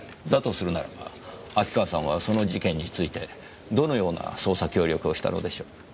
だとするならば秋川さんはその事件についてどのような捜査協力をしたのでしょう？